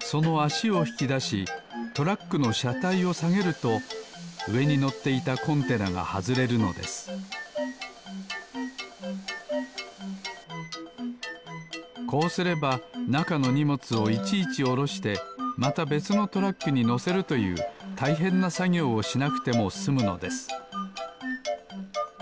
そのあしをひきだしトラックのしゃたいをさげるとうえにのっていたコンテナがはずれるのですこうすればなかのにもつをいちいちおろしてまたべつのトラックにのせるというたいへんなさぎょうをしなくてもすむのです